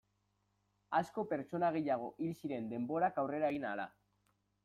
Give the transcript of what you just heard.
Asko pertsona gehiago hil ziren denborak aurrera egin ahala.